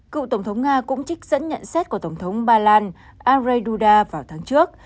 cựu tổng thống nga cũng trích dẫn nhận xét của tổng thống ba lan ane duda vào tháng trước